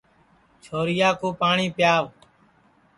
چھورِیا کُو پاٹؔی پِیاوَ